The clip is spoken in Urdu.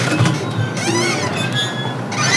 green land